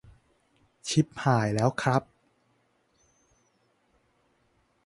ชิบหายแล้วครับ